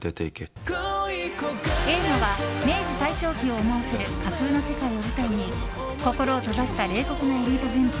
映画は明治・大正期を思わせる架空の世界を舞台に心を閉ざした冷酷なエリート軍人